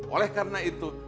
oleh karena itu